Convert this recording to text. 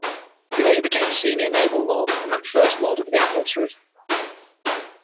He later became Senior Naval Lord and then First Lord of the Admiralty.